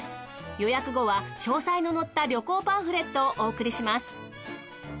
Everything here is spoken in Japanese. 予約後は詳細の載った旅行パンフレットをお送りします。